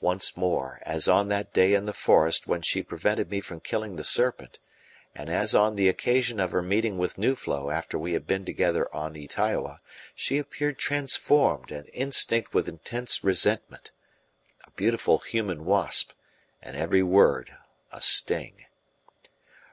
Once more, as on that day in the forest when she prevented me from killing the serpent, and as on the occasion of her meeting with Nuflo after we had been together on Ytaioa, she appeared transformed and instinct with intense resentment a beautiful human wasp, and every word a sting.